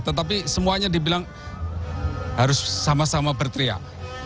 tetapi semuanya dibilang harus sama sama berteriak